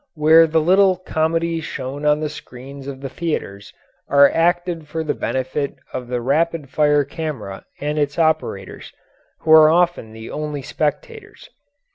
where the little comedies shown on the screens of the theatres are acted for the benefit of the rapid fire camera and its operators, who are often the only spectators.